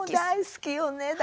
大好きよね。